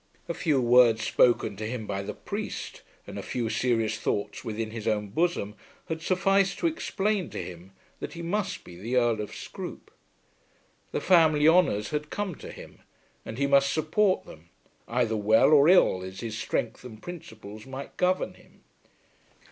A few words spoken to him by the priest and a few serious thoughts within his own bosom had sufficed to explain to him that he must be the Earl of Scroope. The family honours had come to him, and he must support them, either well or ill as his strength and principles might govern him.